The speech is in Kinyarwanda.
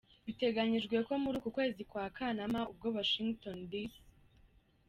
Biteganyijwe ko muri uku kwezi kwa Kanama, ubwo Washington D.